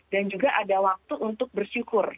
dan juga ada waktu untuk bersyukur